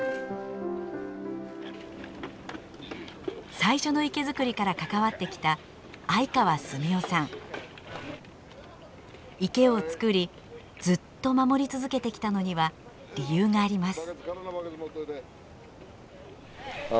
最初の池造りから関わってきた池を造りずっと守り続けてきたのには理由があります。